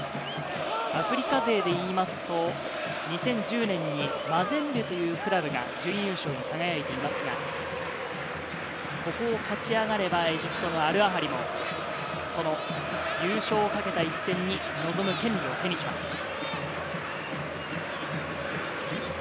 アフリカ勢でいいますと、２０１０年にマゼンベというクラブが準優勝に輝いていますが、ここを勝ち上がればエジプトのアルアハリも、その優勝を懸けた一戦に臨む権利を手にします。